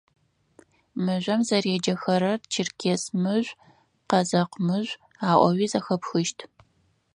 Мыжъом зэреджэхэрэр «Черкес мыжъу», «Къэзэкъ мыжъу» аӏоуи зэхэпхыщт.